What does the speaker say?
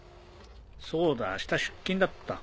そうだ明日出勤だった。